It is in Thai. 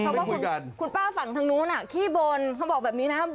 เพราะว่าคุณป้าฝั่งทางนู้นขี้บนเขาบอกแบบนี้นะ